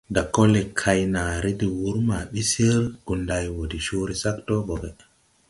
Dakole kay naaré de wur ma bi sir Gunday wo de cõõre sac doo bogge.